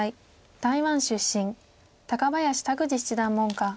台湾出身。高林拓二七段門下。